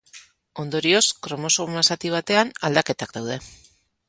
Ondorioz, kromosoma zati batean aldaketak daude.